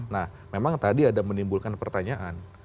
nah memang tadi ada menimbulkan pertanyaan